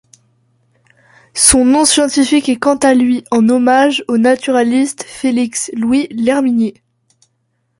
Son nom scientifique est quant à lui en hommage au naturaliste Félix Louis L'Herminier.